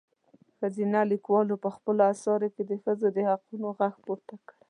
ښځينه لیکوالو په خپلو اثارو کې د ښځو د حقونو غږ پورته کړی.